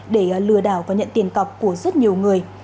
để lừa đảo và nhận tiền cọc của rất nhiều người